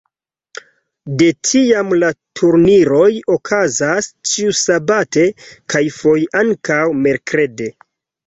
De tiam la turniroj okazas ĉiusabate, kaj foje ankaŭ merkrede.